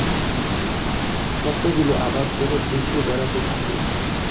স্বপ্নগুলো আবার যেন ভেসে বেড়াতে থাকে।